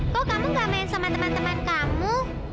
kok kamu gak main sama teman teman kamu